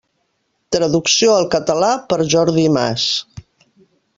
Traducció al català per Jordi Mas.